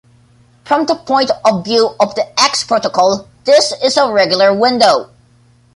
From the point of view of the X protocol, this is a regular window.